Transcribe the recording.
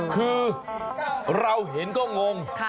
คือเราเห็นก็งง